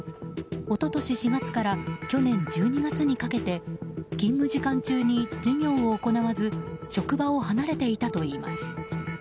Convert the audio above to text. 一昨年４月から去年１２月にかけて勤務時間中に授業を行わず職場を離れていたといいます。